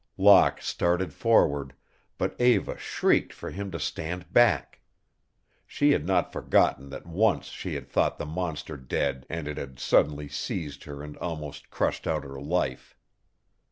Locke started forward, but Eva shrieked for him to stand back. She had not forgotten that once she had thought the monster dead and it had suddenly seized her and almost crushed out her life.